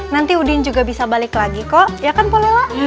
nanti udin juga bisa balik lagi kok ya kan bolehlah